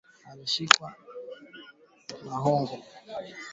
Kuvimba tumbo kwa Kondoo ni dalili ya ugonjwa wa minyoo